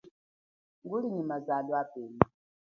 Nguli nyi mazalo apema.